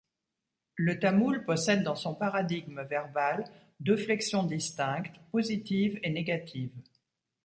Le tamoul possède dans son paradigme verbal deux flexions distinctes, positive et négative.